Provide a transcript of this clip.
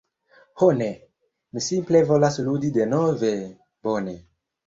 Ho ne, mi simple volas ludi denove. Bone.